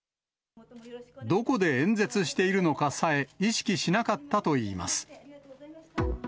どこで演説しているのかさえ意識しなかったといいます。